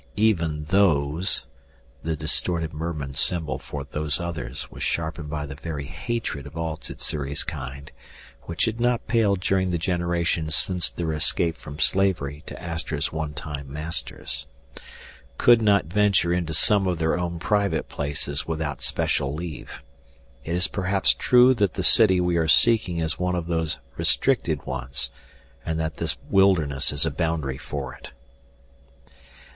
Even Those" the distorted mermen symbol for Those Others was sharpened by the very hatred of all Sssuri's kind, which had not paled during the generations since their escape from slavery to Astra's one time masters "could not venture into some of their own private places without special leave. It is perhaps true that the city we are seeking is one of those restricted ones and that this wilderness is a boundary for it."